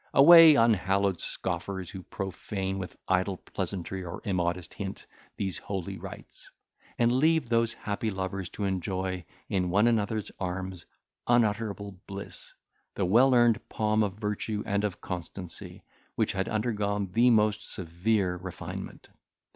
Away, unhallowed scoffers, who profane, with idle pleasantry or immodest hint, these holy rites; and leave those happy lovers to enjoy, in one another's arms, unutterable bliss, the well earned palm of virtue and of constancy, which had undergone the most severe refinement.